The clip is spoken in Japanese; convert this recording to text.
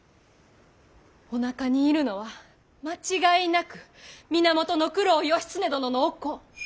おなかにいるのは間違いなく源九郎義経殿のお子。